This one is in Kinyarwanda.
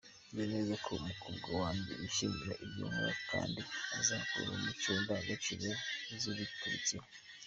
Nzi neza ko umukobwa wanjye yishimira ibyo nkora kandi azakurana umuco n’indangagaciro zibiturutseho.